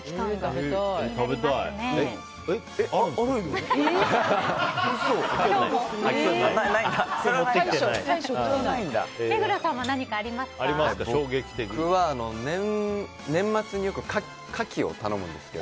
目黒さんは何かありますか？